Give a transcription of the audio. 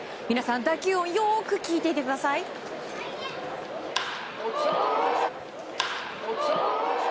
皆さん打球音をよく聞いてください。